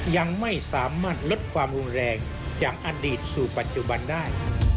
ยังไม่สามารถลดความรุนแรงจากอดีตสู่ปัจจุบันได้